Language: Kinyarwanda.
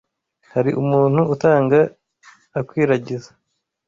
Hari umuntu utanga akwiragiza